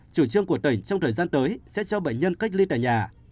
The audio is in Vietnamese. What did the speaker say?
chủ trương của tỉnh trong thời gian tới sẽ cho bệnh nhân cách ly tại nhà